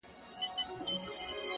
که څوک پر بل چا د خوشحالۍ زیری وکړي.